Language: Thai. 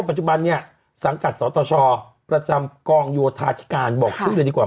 ปัจจุบันเนี่ยสังกัดสตชประจำกองโยธาธิการบอกชื่อเลยดีกว่า